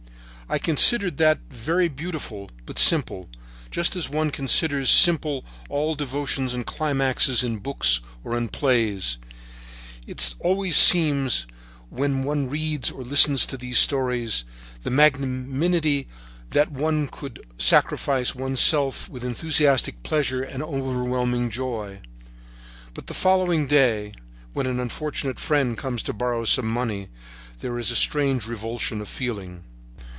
I considered that very beautiful, but simple, just as one, considers simple all devotions and climaxes in books or in plays. It always seems, when one reads or listens to these stories of magnanimity, that one could sacrifice one's self with enthusiastic pleasure and overwhelming joy. But the following day, when an unfortunate friend comes to borrow some money, there is a strange revulsion of feeling.